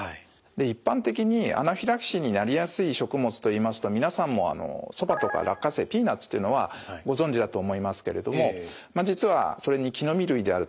一般的にアナフィラキシーになりやすい食物といいますと皆さんもそばとか落花生ピーナツというのはご存じだと思いますけれども実はそれに木の実類であるとかですね